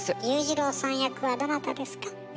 裕次郎さん役はどなたですか？